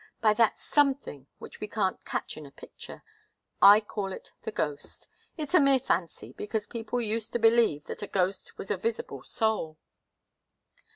By that something which we can't catch in a picture. I call it the ghost it's a mere fancy, because people used to believe that a ghost was a visible soul."